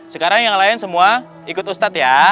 sekarang yang lain semua ikut ustadz ya